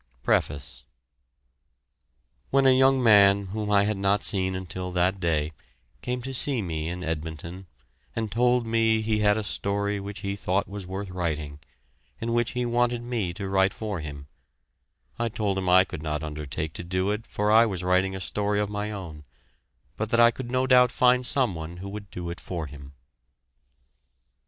PREFACE When a young man whom I had not seen until that day came to see me in Edmonton, and told me he had a story which he thought was worth writing, and which he wanted me to write for him, I told him I could not undertake to do it for I was writing a story of my own, but that I could no doubt find some one who would do it for him.